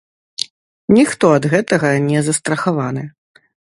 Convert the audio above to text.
Ніхто ад гэтага не застрахаваны!